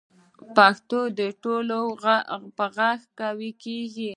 پښتو د ټولو په غږ قوي کېږي.